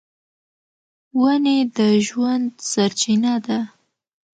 ونې د ژوند سرچینه ده.